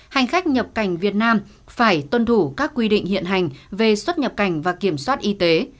hành khách nhập cảnh việt nam phải tuân thủ các quy định hiện hành về xuất nhập cảnh và kiểm soát y tế